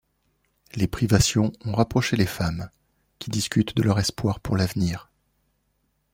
Les privations ont rapproché les femmes, qui discutent de leurs espoirs pour l'avenir.